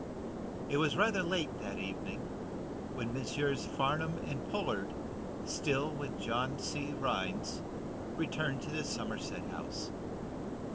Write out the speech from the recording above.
It was rather late, that evening when Messrs. Farnum and Pollard, still with John C. Rhinds, returned to the Somerset House.